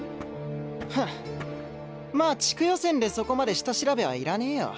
フンまあ地区予選でそこまで下調べはいらねえよ。